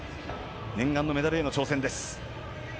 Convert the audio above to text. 念願のメダルへの挑戦です。